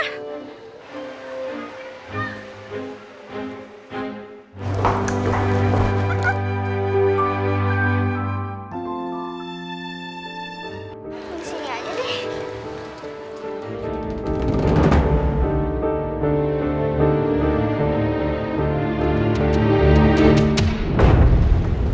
disini aja deh